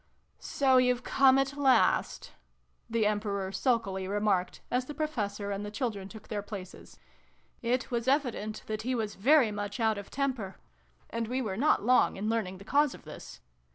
xx] GAMMON AND SPINACH. 323 " So you're come at last !" the Emperor sulkily remarked, as the Professor and the children took their places. It was evident that he was very much out of temper : and we were not long in learning the cause of this.